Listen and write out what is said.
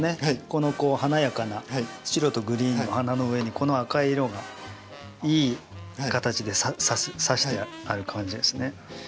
このこう華やかな白とグリーンのお花の上にこの赤い色がいい形でさしてある感じですね。